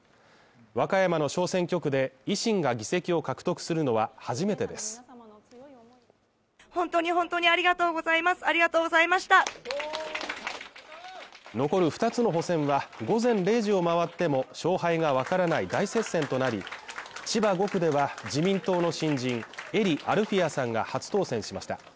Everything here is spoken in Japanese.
和歌山の小選挙区で維新が議席を獲得するのは初めてです残る二つの補選は、午前０時を回っても勝敗がわからない大接戦となり、千葉５区では、自民党の新人英利アルフィヤさんが初当選しました。